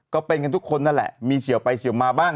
ก็เป็นกันทุกคนนั่นแหละมีเฉียวไปเฉียวมาบ้าง